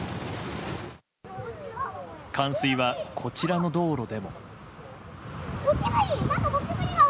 冠水は、こちらの道路でも。